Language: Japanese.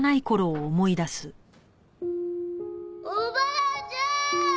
おばあちゃん！